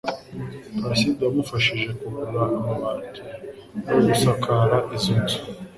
Placide wamufashije kugura amabati yo gusakara izo nzu.